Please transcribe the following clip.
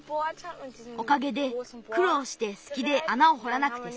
おかげでくろうしてすきであなをほらなくてすんだ。